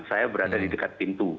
saya berada di dekat pintu